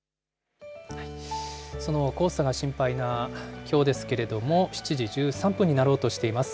その黄砂が心配なきょうですけれども、７時１３分になろうとしています。